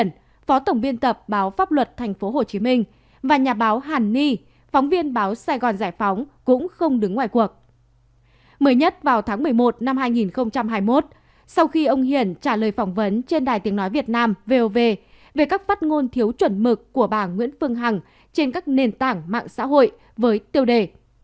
mới nhất vào tháng một mươi một năm hai nghìn hai mươi một sau khi ông hiền trả lời phỏng vấn trên đài tiếng nói việt nam vov về các phát ngôn thiếu chuẩn mực của bà nguyễn phương hằng trên các nền tảng mạng xã hội với tiêu đề